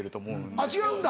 あっ違うんだ。